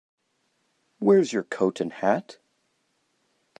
Where's your coat and hat?